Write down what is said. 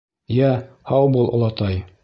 — Йә, һау бул, олатай!